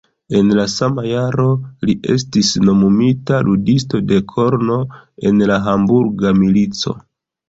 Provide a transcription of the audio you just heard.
En la sama jaro li estis nomumita ludisto de korno en la Hamburga milico.